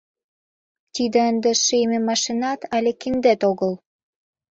Тиде ынде шийме машинат але киндет огыл.